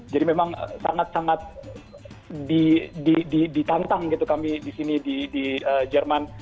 jadi memang sangat sangat ditantang gitu kami di sini di jerman